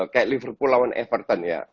kayak liverpool lawan everton ya